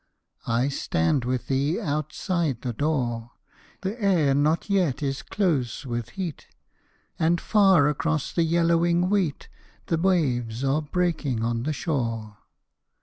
I stand with thee outside the door, The air not yet is close with heat, And far across the yellowing wheat The waves are breaking on the shore.